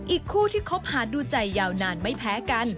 อีกคู่ที่คบหาดูใจยาวนานไม่แพ้กัน